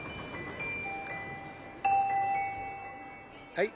はい。